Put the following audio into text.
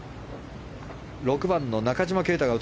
６番の中島啓太